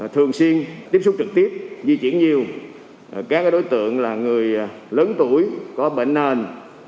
thường xuyên tiếp xúc trực tiếp di chuyển nhiều các đối tượng là người lớn tuổi có bệnh nền